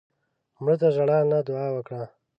مړه ته ژړا نه، دعا وکړه